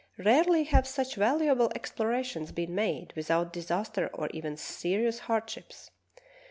Rarely have such valuable explorations been made without disaster or even serious hardships.